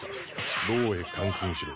牢へ監禁しろ。